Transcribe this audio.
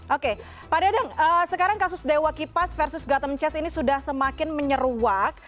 oke pak dadang sekarang kasus dewa kipas versus gathem chess ini sudah semakin menyeruak